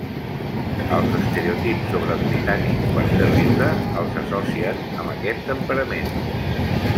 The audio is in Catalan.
Els estereotips sobre els britànics per fer riure els associen amb aquest temperament.